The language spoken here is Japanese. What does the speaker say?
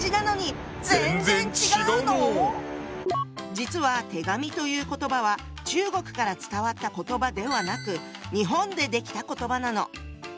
実は「手紙」という言葉は中国から伝わった言葉ではなく日本で出来た言葉なの。